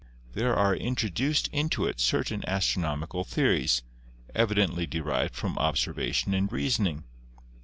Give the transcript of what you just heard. There are intro duced into it certain astronomical theories, evidently de rived from observation and reasoning.